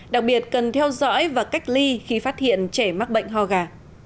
đặc biệt cần theo dõi và cách ly khi phát hiện trẻ mắc bệnh ho gà